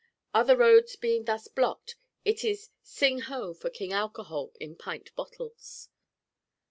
Other roads being thus blocked it is sing ho for King Alcohol in pint bottles.